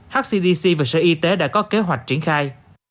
hcdc và sở y tế đã có kế hoạch triển khai